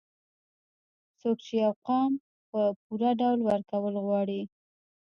څوک چې يو قام په پوره ډول وروکول غواړي